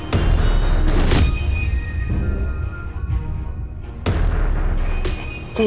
ya udah gue ke aula